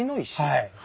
はい。